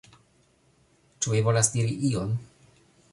Ĉu vi volas diri ion?